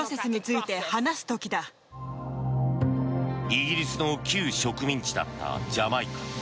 イギリスの旧植民地だったジャマイカ。